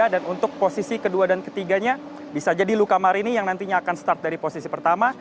dan untuk posisi kedua dan ketiganya bisa jadi luca marini yang nantinya akan start dari posisi pertama